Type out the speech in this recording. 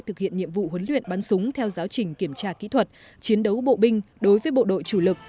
thực hiện nhiệm vụ huấn luyện bắn súng theo giáo trình kiểm tra kỹ thuật chiến đấu bộ binh đối với bộ đội chủ lực